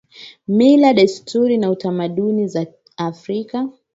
mila desturi na tamaduni za afrika